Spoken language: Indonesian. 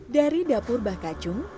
dari dapur bah kacung